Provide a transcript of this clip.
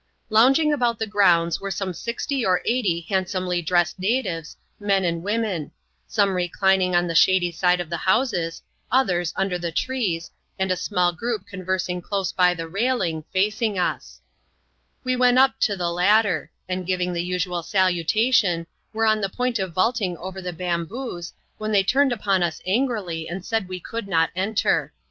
Lounging about the grounds were some sixty or ei^ity handsomely dressed natives, men and women ; some reclimiig on the shady side of t\ie \io\]&&^) Q<]bfix& \uider the trees, and a small group conversing; c\oae\>^ \X\feT«Kai%^i^\k%N>&, CHAP.LXxv.] A RAMBLE THROUGH THE SETTLEMENT. 291 We went up to the latter ; and giving the usual salutation, were on the point of vaulting over the bamboos, when they turned upon us angrily, and said we could not enter.